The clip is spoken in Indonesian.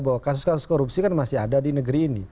bahwa kasus kasus korupsi kan masih ada di negeri ini